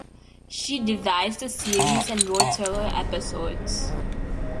She devised the series and wrote several episodes.